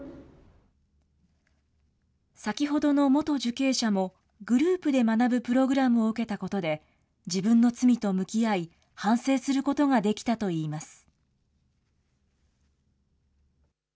先ほどの元受刑者も、グループで学ぶプログラムを受けたことで、自分の罪と向き合い、反省することができたといいます。